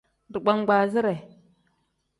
Digbangbaazire.